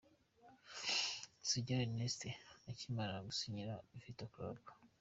Sugira Ernest akimara gusinyira Vita Club.